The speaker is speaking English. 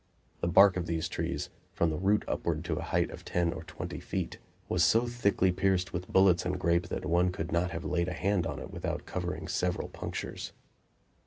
The bark of these trees, from the root upward to a height of ten or twenty feet, was so thickly pierced with bullets and grape that one could not have laid a hand on it without covering several punctures.